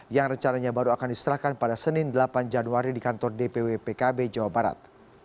yang rencananya baru akan diserahkan pada senin delapan januari di kantor dpw pkb jawa barat